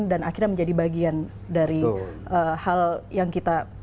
dan akhirnya menjadi bagian dari hal yang kita